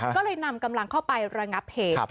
ก็เลยนำกำลังเข้าไประงับเหตุ